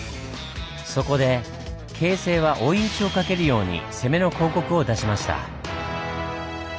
そこで京成は追い打ちをかけるように攻めの広告を出しました。